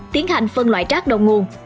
tiến hành phân loại rác đồng nguồn